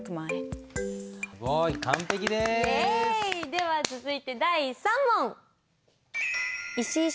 では続いて第３問。